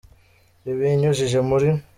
ibinyujije muri